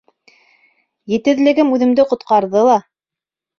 Етеҙлегем үҙемде ҡотҡарҙы ла.